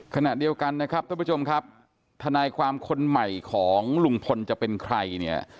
ขณะเดียวกันนะครับท่านผู้ชมครับทนายความคนใหม่ของลุงพลจะเป็นใครเนี่ย